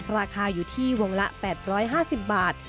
ราคาอยู่ที่วงละ๘๕๐บาท